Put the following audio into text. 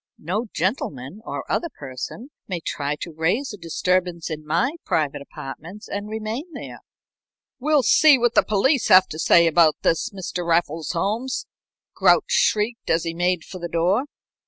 "No gentleman or other person may try to raise a disturbance in my private apartments and remain there." "We'll see what the police have to say about this, Mr. Raffles Holmes," Grouch shrieked, as he made for the door.